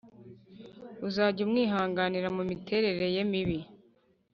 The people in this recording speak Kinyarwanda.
Uzajya umwihanganira mumiterere ye mibi